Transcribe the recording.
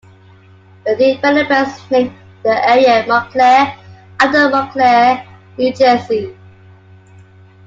The developers named the area Montclare, after Montclair, New Jersey.